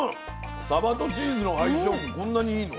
サバとチーズの相性もこんなにいいの？